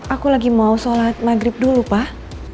aku lagi mau sholat maghrib dulu pak